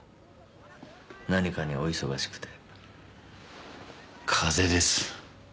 何かにお忙しくて風邪です